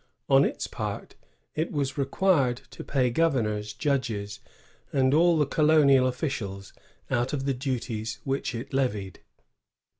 On its part, it was required to pay governors, judges, and all the colonial officials out of the duties which it levied.